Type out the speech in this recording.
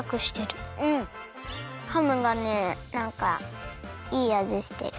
ハムがねなんかいいあじしてる。